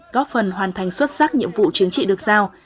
góp phần hoàn thành xuất sắc nhiệm vụ chính trị được giao